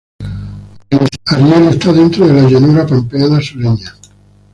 Ariel está dentro de la llanura Pampeana sureña.